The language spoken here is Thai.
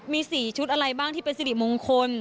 มี๔ชุดอะไรบ้างที่เป็นสิริมงคล